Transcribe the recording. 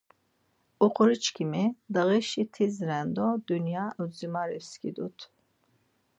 Oxoriçkimi ndağişi tis ren do dunya udziramu pskidurt.